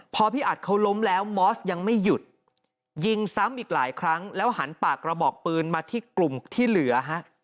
พอพี่อัดเขาล้มแล้วมอสยังไม่หยุดยิงซ้ำอีกหลายครั้งแล้วหันปากกระบอกปืนมาที่กลุ่มที่เหลือฮะ